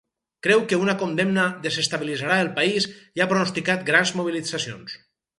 Creu que una condemna desestabilitzarà el país i ha pronostica grans mobilitzacions.